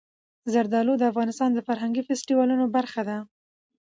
زردالو د افغانستان د فرهنګي فستیوالونو برخه ده.